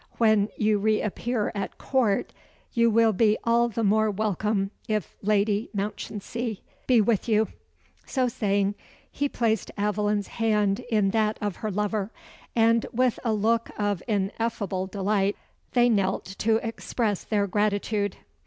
When you re appear at Court, you will be all the more welcome if Lady Mounchensey be with you." So saying, he placed Aveline's hand in that of her lover; and, with a look of ineffable delight, they knelt to express their gratitude.